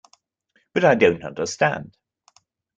But I don't understand.